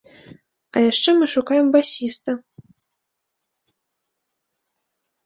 А яшчэ мы шукаем басіста.